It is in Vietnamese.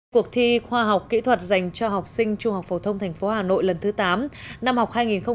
cuộc thi khoa học kỹ thuật dành cho học sinh trung học phổ thông tp hà nội lần thứ tám năm học hai nghìn một mươi tám hai nghìn một mươi chín